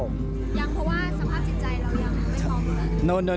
ยังเพราะว่าสัมภาพจิตใจเรายังไม่พอ